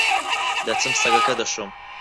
دەچم سەگەکە دەشۆم.